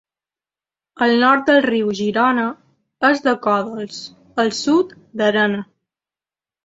Al nord del riu Girona, és de còdols; al sud, d'arena.